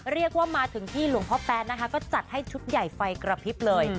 เรียกว่ามาถึงที่หลวงพ่อแป๊นนะคะก็จัดให้ชุดใหญ่ไฟกระพริบเลย